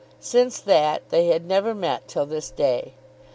Since that they had never met till this day.